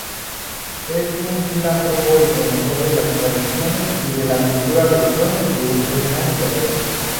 Fue un filántropo y promotor de las tradiciones y de la cultura regional yucateca.